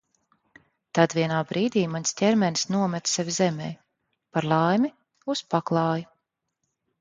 Tad vienā brīdī mans ķermenis nometa sevi zemē, par laimi, uz paklāja.